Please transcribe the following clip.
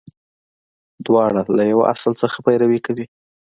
• دواړه له یوه اصل څخه پیروي کوي.